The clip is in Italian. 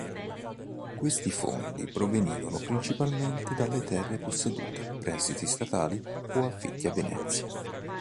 Questi fondi provenivano principalmente dalle terre possedute: prestiti statali o affitti a Venezia.